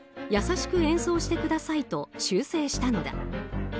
優しく演奏してくださいと修正したのだ。